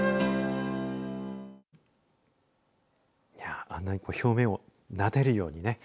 あんなに表面をなでるようにね。